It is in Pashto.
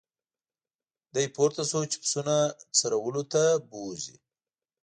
دی پورته شو چې پسونه څرولو ته بوزي.